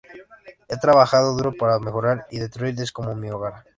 He trabajado duro para mejorar, y Detroit es como mi hogar."".